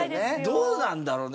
どうなんだろうね？